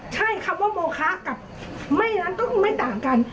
ใช่คำว่าโมคะกับไม่งั้นต้องไม่ต่างกัน